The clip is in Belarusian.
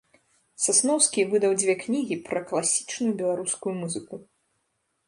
Сасноўскі выдаў дзве кнігі пра класічную беларускую музыку.